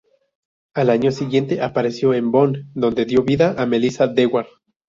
Al año siguiente apareció en "Boon" donde dio vida a Melissa Dewar.